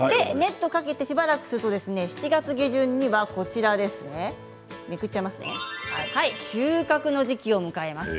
ネットをかけてしばらくすると７月下旬には収穫の時期を迎えます。